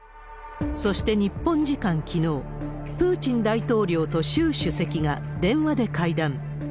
そして日本時間きのう、プーチン大統領と習主席が電話で会談。